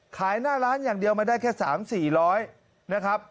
หน้าร้านอย่างเดียวมาได้แค่๓๔๐๐นะครับ